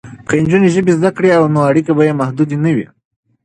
که نجونې ژبې زده کړي نو اړیکې به یې محدودې نه وي.